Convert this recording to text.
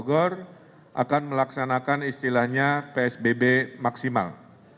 bogor akan melaksanakan istilahnya psbb maksimal